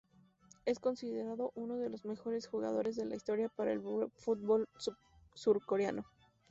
Es considerado uno de los mejores jugadores de la historia para el fútbol surcoreano.